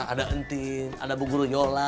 ada enti ada bu guru yola